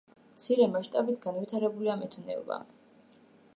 მცირე მასშტაბით განვითარებულია მეთუნეობა.